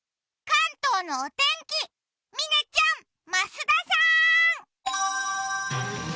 関東のお天気、嶺ちゃん、増田さん。